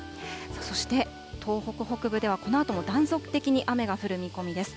そして、東北北部では、このあとも断続的に雨が降る見込みです。